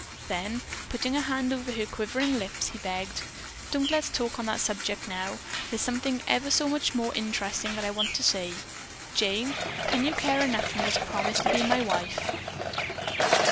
Then, putting a hand over her quivering lips, he begged, "Don't let's talk about that subject now. There's something ever so much more interesting that I want to say. Jane, can you care enough for me to promise to be my wife?"